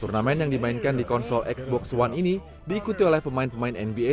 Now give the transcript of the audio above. turnamen yang dimainkan di konsol xbox one ini diikuti oleh pemain pemain nba